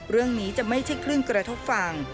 เรื่องนี้จะไม่ใช่คลื่นกระทบฝั่ง